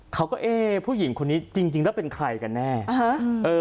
เขาก็เอ๊ะผู้หญิงคนนี้จริงจริงแล้วเป็นใครกันแน่